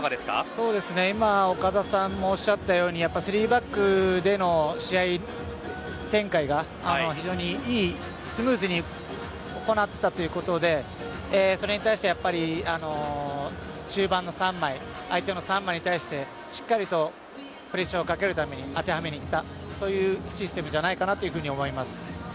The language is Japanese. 今、岡田さんもおっしゃったように３バックでの試合展開が非常にいいスムーズに行ったということでそれに対しては、やっぱり中盤の３枚相手の３枚に対してしっかりとプレッシャーをかけるために当てはめにいったというシステムじゃないかなというふうに思います。